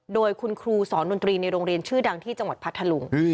โดยคุณครูสอนดนตรีในโรงเรียนชื่อดังที่จังหวัดพัทธลุง